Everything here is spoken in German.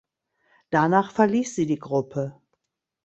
Danach verließ sie die Gruppe.